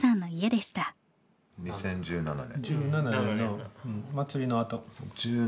２０１７年。